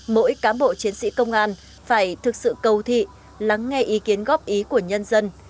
mỗi cán bộ chiến sĩ công an phải thực sự cầu thị lắng nghe ý kiến góp ý của nhân dân